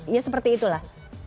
ya seperti itulah